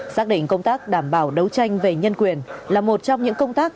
xác định công tác đảm bảo đấu tranh về nhân quyền là một trong những công tác